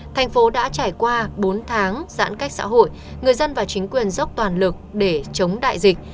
thành phố đã trải qua bốn tháng giãn cách xã hội người dân và chính quyền dốc toàn lực để chống đại dịch